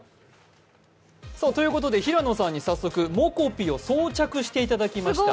平野さんに早速、ｍｏｃｏｐｉを装着していただきました。